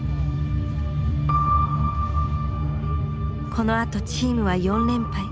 このあとチームは４連敗。